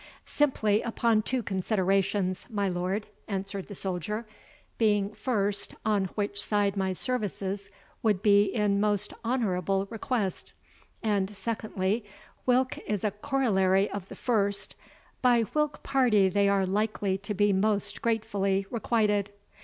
"Simply upon two considerations, my lord," answered the soldier. "Being, first, on which side my services would be in most honourable request; And, secondly, whilk is a corollary of the first, by whilk party they are likely to be most gratefully requited.